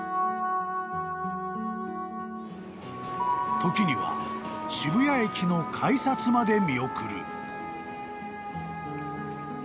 ［時には渋谷駅の改札まで見送る］